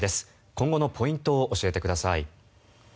今後のポイントを教えてください。